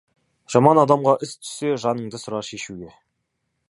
Жаман адамға іс түссе, жаныңды сұрар шешуге.